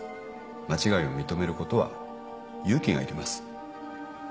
間違いを認めることは勇気がいります。